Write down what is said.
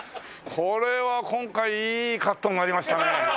これは今回いいカットがありましたね。